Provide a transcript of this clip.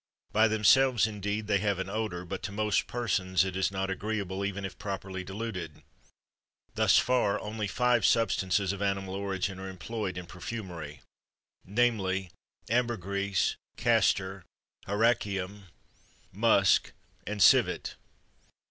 By themselves, indeed, they have an odor, but to most persons it is not agreeable even if properly diluted. Thus far only five substances of animal origin are employed in perfumery, namely: ambergris, castor, hyraceum, musk, and civet.